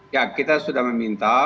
ya kita sudah meminta